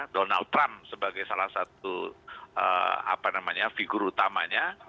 donald trump sebagai salah satu figur utamanya